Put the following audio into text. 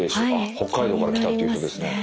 北海道から来たっていう人ですね。